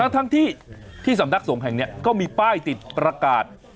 ทั้งที่สำนักสงฆ์แห่งนี้ก็มีป้ายติดประกาศ